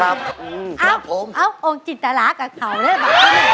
ครับครับผมเอ้าองค์จิตรรากับเขาด้วยหรือเปล่า